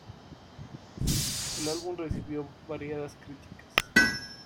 El álbum recibió variadas críticas.